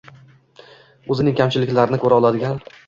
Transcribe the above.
O‘zining kamchiliklarini ko‘ra oladigan